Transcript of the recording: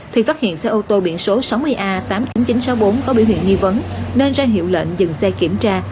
thì phát hiện xe ô tô biển số sáu mươi a tám mươi chín nghìn chín trăm sáu mươi bốn có biểu hiện nghi vấn nên ra hiệu lệnh dừng xe kiểm tra